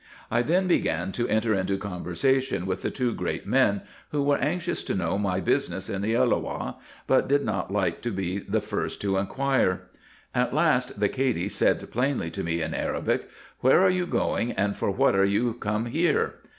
I then began to enter into conversation with the two great men, who Avere anxious to know my business in the Elloah, but did not like to be the first to inquire. At last, the Cady said plainly to me in Arabic, " Where are you going, and for what are you come here